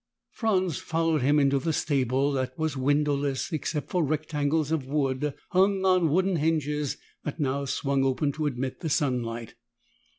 Franz followed him into the stable, that was windowless, except for rectangles of wood hung on wooden hinges that now swung open to admit the sunlight.